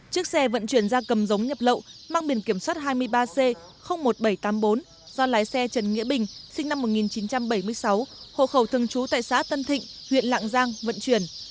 chiếc xe vận chuyển ra cầm giống nhập lậu mang biển kiểm soát hai mươi ba c một nghìn bảy trăm tám mươi bốn do lái xe trần nghĩa bình sinh năm một nghìn chín trăm bảy mươi sáu hộ khẩu thường trú tại xã tân thịnh huyện lạng giang vận chuyển